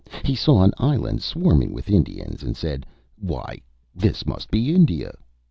He saw an island swarming with Indians, and said, 'Why, this must be India!'